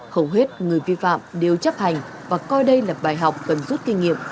hầu hết người vi phạm đều chấp hành và coi đây là bài học cần rút kinh nghiệm